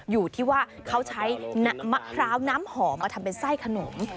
อยู่ที่ว่าเขาใช้มะพร้าวน้ำหอมมาทำเป็นไส้ขนม